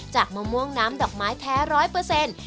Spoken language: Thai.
มะม่วงน้ำดอกไม้แท้ร้อยเปอร์เซ็นต์